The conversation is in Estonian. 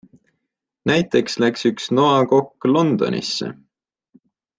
Näiteks läks üks NOA kokk Londonisse.